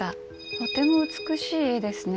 とても美しい絵ですね。